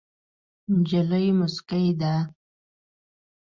نجلۍ موسکۍ ده.